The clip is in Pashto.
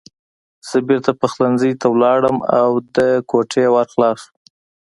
زه بېرته پخلنځي ته لاړم او د کوټې ور خلاص و